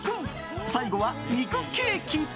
最後は肉ケーキ。